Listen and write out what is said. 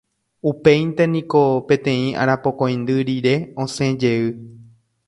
Upéinte niko peteĩ arapokõindy rire osẽjey